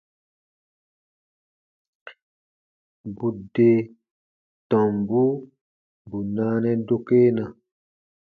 Bù de tombu bù naanɛ dokena.